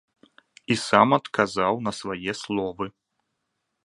І сам адказаў на свае словы.